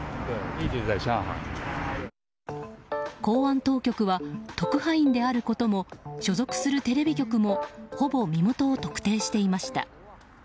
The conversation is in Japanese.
公安当局は特派員であることも所属するテレビ局もほぼ身元を特定していました。